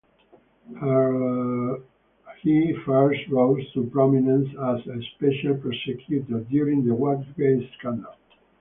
He first rose to prominence as a special prosecutor during the Watergate scandal.